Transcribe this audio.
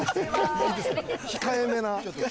控えめな。